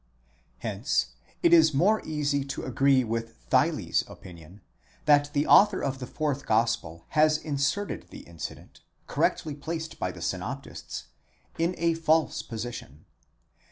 Hence it is more easy to agree with Theile's opinion, that the author of the fourth gospel has inserted the incident, correctly placed by the synoptists, in a false position.!